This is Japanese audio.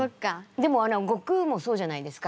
でも悟空もそうじゃないですか。